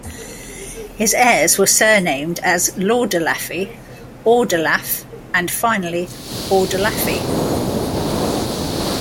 His heirs were surnamed as "Lordelaffi", "Ordelaf" and finally "Ordelaffi".